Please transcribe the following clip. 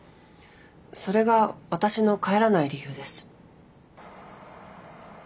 それが私の帰らない理由です。